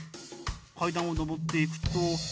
階段を上っていくと。